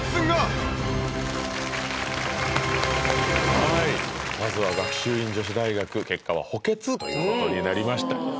はいまずは学習院女子大学結果は補欠ということになりました